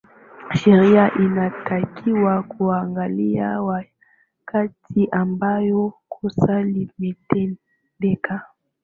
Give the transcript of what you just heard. sheria inatakiwa kuangalia wakati ambao kosa limetendeka